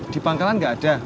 di pangkalan gak ada